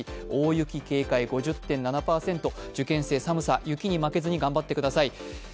大雪警戒、５０．７％、受験生、寒さ、雪に負けずに頑張ってください。